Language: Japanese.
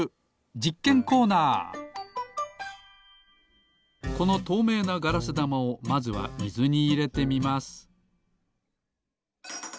そこでこのとうめいなガラスだまをまずはみずにいれてみます。